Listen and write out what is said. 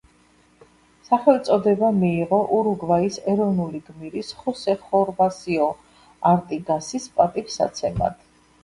სახელწოდება მიიღო ურუგვაის ეროვნული გმირის ხოსე ხერვასიო არტიგასის პატივსაცემად.